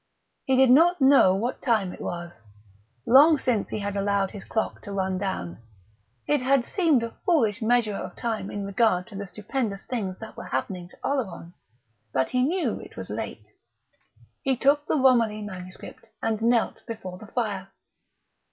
He did not know what time it was; long since he had allowed his clock to run down it had seemed a foolish measurer of time in regard to the stupendous things that were happening to Oleron; but he knew it was late. He took the Romilly manuscript and knelt before the fire.